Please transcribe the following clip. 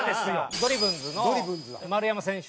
ドリブンズの丸山選手。